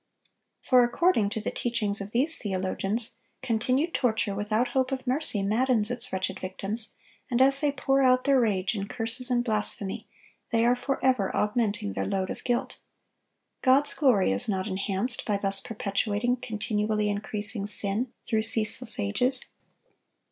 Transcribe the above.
For, according to the teachings of these theologians, continued torture without hope of mercy maddens its wretched victims, and as they pour out their rage in curses and blasphemy, they are forever augmenting their load of guilt. God's glory is not enhanced by thus perpetuating continually increasing sin through ceaseless ages.